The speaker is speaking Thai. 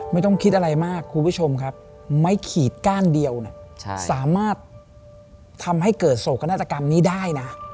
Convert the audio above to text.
ไม่ต้องคิดอะไรมากคุณผู้ชมครับไม้ขีดก้านเดียวสามารถทำให้เกิดโศกนาฏกรรมนี้ได้นะ